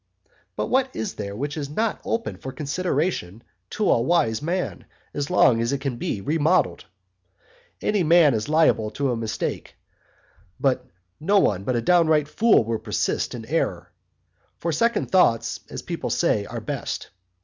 But what is there which is not open for consideration to a wise man, as long as it can be remodelled? Any man is liable to a mistake; but no one but a downright fool will persist in error. For second thoughts, as people say, are best.